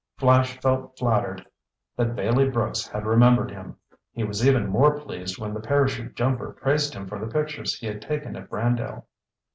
Flash felt flattered that Bailey Brooks had remembered him. He was even more pleased when the parachute jumper praised him for the pictures he had taken at Brandale.